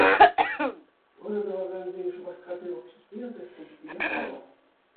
Ырӑ тӑвакансен Шупашкарти обществи республикипех паллӑ.